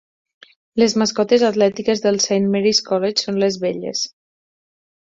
Les mascotes atlètiques del Saint Mary's College són les Belles.